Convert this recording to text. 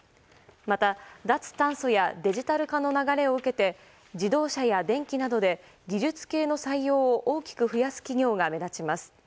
また、脱炭素やデジタル化の流れを受けて自動車や電機などで技術系の採用を大きく増やす企業が目立ちます。